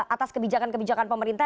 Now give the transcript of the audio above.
atas kebijakan kebijakan pemerintah